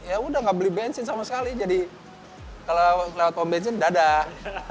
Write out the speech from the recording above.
ya udah nggak beli bensin sama sekali jadi kalau lewat pom bensin dadah